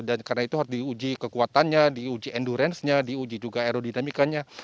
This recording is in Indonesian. dan karena itu harus diuji kekuatannya diuji endurance nya diuji juga aerodinamikanya